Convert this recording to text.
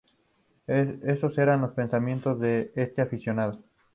Esos eran los pensamientos de ese aficionado.